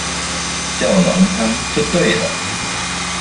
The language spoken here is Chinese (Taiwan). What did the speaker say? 叫濃湯就對了